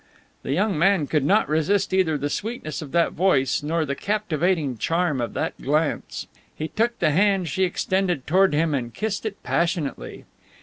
The young man could not resist either the sweetness of that voice, nor the captivating charm of that glance. He took the hand she extended toward him and kissed it passionately.